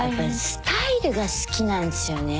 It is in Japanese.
スタイルが好きなんですよね